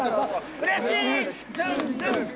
うれしい！